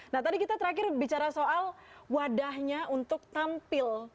nah tadi kita terakhir bicara soal wadahnya untuk tampil